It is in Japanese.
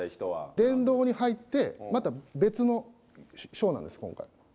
殿堂に入って、また別の賞なんです、今回。